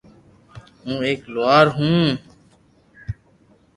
ھون ايڪ لوھار ھون